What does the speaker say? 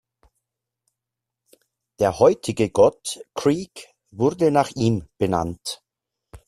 Der heutige Gott Creek wurde nach ihm benannt.